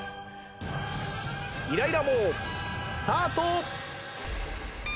イライラ棒スタート。